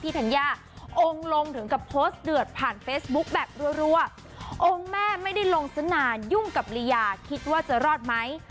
ธัญญาองค์ลงถึงกับโพสต์เดือดผ่านเฟซบุ๊คแบบรัวองค์แม่ไม่ได้ลงสนานยุ่งกับลียาคิดว่าจะรอดไหม